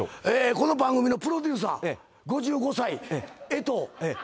この番組のプロデューサーええ５５歳江藤ええ